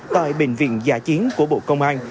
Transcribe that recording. tại bệnh viện giả chiến của bộ công an